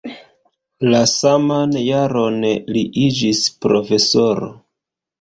La saman jaron li iĝis profesoro.